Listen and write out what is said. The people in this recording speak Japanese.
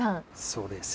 そうです。